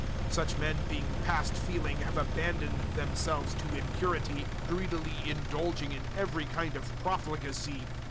004:019 Such men being past feeling have abandoned themselves to impurity, greedily indulging in every kind of profligacy.